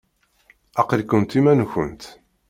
Aql-ikent iman-nkent.